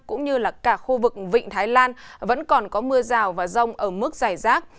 cũng như là cả khu vực vịnh thái lan vẫn còn có mưa rào và rông ở mức dài rác